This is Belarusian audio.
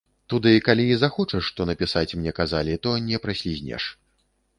Туды калі і захочаш што напісаць, мне казалі, то не праслізнеш.